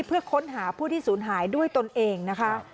เพื่อค้นหาผู้ที่สูญหายด้วยตนเองนะคะ